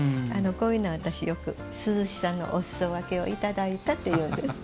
こういうのは私よく涼しさのおすそ分けをいただいたと、いうんです。